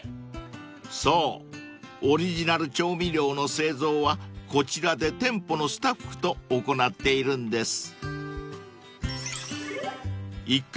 ［そうオリジナル調味料の製造はこちらで店舗のスタッフと行っているんです］